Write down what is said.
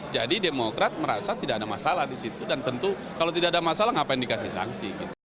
jadi demokrat merasa tidak ada masalah di situ dan tentu kalau tidak ada masalah ngapain dikasih sanksi